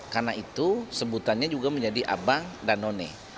karena itu sebutannya juga menjadi abang danone